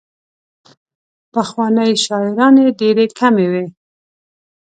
پخوانۍ شاعرانې ډېرې کمې وې.